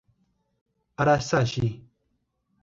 Araçagi